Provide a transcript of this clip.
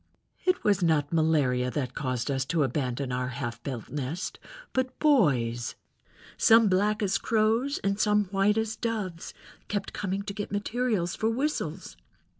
"It was not malaria that caused us to abandon our half built nest, but boys, some black as crows and some white as doves, kept coming to get materials for whistles.